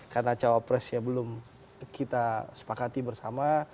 karena cawapresnya belum kita sepakati bersama